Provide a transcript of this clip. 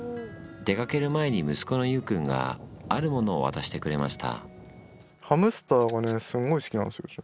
出かける前に息子の優君があるものを渡してくれました。